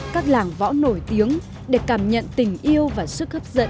các làng võ nổi tiếng để cảm nhận tình yêu và sức hấp dẫn